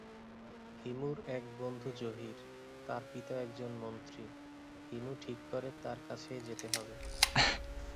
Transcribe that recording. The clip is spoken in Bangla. হিমুর এক বন্ধু জহির, তার পিতা একজন মন্ত্রী, হিমু ঠিক করে তার কাছেই যেতে হবে।